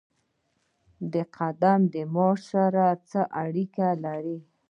قدم د معاش سره څه اړیکه لري؟